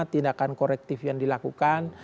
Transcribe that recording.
tindakan korektif yang dilakukan